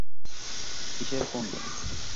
কিসের খুন?